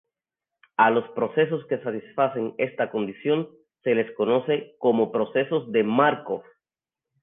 A los procesos que satisfacen esta condición se les conoce como procesos de Márkov.